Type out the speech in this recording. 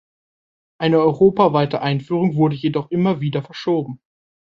Eine europaweite Einführung wurde jedoch immer wieder verschoben.